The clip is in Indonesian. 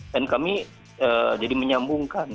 dan kami jadi menyambungkan